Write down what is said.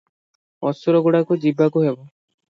ଅସୁରଗୁଡାକୁ ଯିବାକୁ ହେବ ।